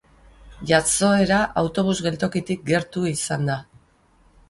Jazoera autobus-geltokitik gertu izan da.